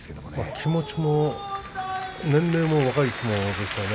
気持ちも年齢も若い相撲でしたね。